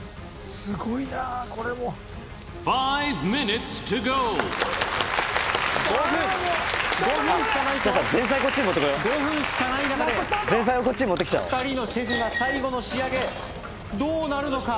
すごいなこれも５分５分しかないぞ前菜こっちに持ってこよう５分しかない中で２人のシェフが最後の仕上げどうなるのか？